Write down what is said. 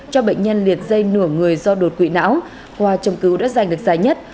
cho bệnh nhân liệt dây nửa người do đột quỵ não khoa chống cứu đã giành được giải nhất